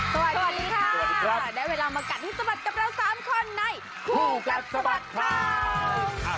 สวัสดีค่ะได้เวลามากัดให้สะบัดกับเรา๓คนในคู่กัดสะบัดข่าว